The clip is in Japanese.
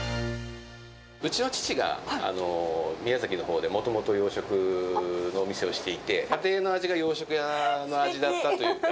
うちの父が宮崎のほうでもともと洋食のお店をしていて、家庭の味が洋食屋の味だったというか。